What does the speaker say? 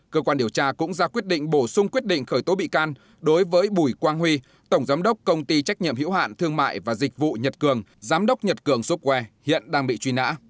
cơ quan điều tra cũng ra quyết định bổ sung quyết định khởi tố bị can đối với bùi quang huy tổng giám đốc công ty trách nhiệm hiểu hạn thương mại và dịch vụ nhật cường giám đốc nhật cường subway hiện đang bị truy nã